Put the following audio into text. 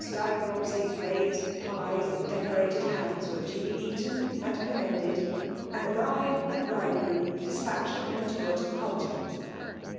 Dyke Bobsey's rawed pies aod decorated haios were duly eatea asd pontxaesded, and the bride Had bridegroom d(}fl{MUched upon a tour to the contimait.